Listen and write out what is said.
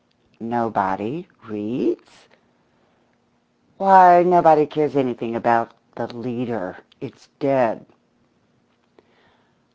"Nobody reads?" "Why, nobody cares anything about the Leader. It's dead."